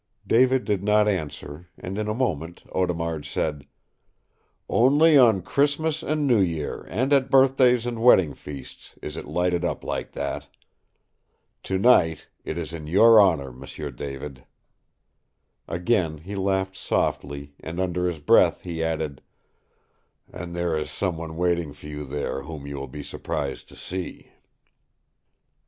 David did not answer, and in a moment Audemard said: "Only on Christmas and New Year and at birthdays and wedding feasts is it lighted up like that. Tonight it is in your honor, M'sieu David." Again he laughed softly, and under his breath he added, "And there is some one waiting for you there whom you will be surprised to see!"